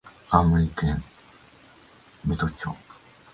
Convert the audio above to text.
青森県三戸町